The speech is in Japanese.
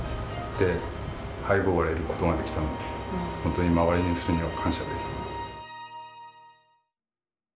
で早く終われることができたので本当に周りの人には感謝です。